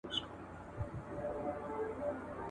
خېشکي، چي ډوډۍ خوري دروازې پېش کي.